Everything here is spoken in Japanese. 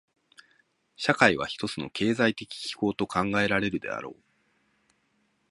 社会は一つの経済的機構と考えられるであろう。